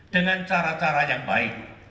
dengan cara cara yang baik